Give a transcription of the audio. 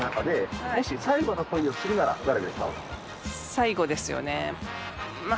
最後ですよね。